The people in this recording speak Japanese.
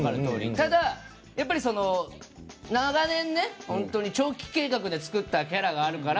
ただやっぱり長年、長期計画で作ったキャラがあるから。